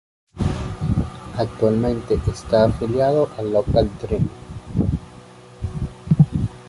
Actualmente está afiliado a Local Dream.